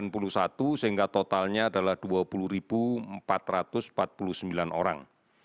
yang sembuh tujuh ratus sembilan puluh satu sehingga totalnya adalah dua puluh empat ratus empat puluh sembilan orang